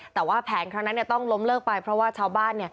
แต่ว่าแผนครั้งนั้นต้องล้มเลิกไปเพราะว่าชาวบ้าน